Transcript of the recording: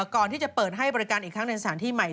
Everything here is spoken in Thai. ก่อนที่จะเปิดให้บริการอีกครั้งในสถานที่ใหม่